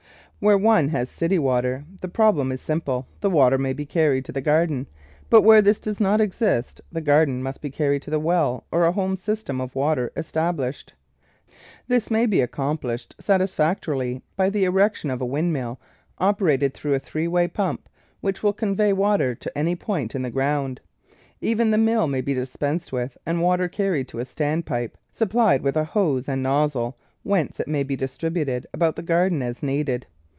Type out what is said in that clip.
Where one has city water the prob lem is simple — the water may be carried to the garden; but where this does not exist the garden must be carried to the well or a home system of water established. This may be accomplished sat isfactorily by the erection of a wind mill operated through a three way pump, which will convey water to any point in the ground. Even the mill may be dispensed with and water carried to a stand pipe sujDplied with a hose and nozzle, whence it may be distributed about the garden as needed.